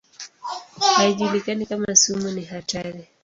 Haijulikani kama sumu ni hatari.